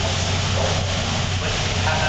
ایا شاګرد د خپلي موضوع په ټاکلو کي خپلواک دی؟